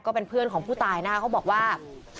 ก็เป็นเพื่อนของผู้ตายนะคะเขาบอกว่า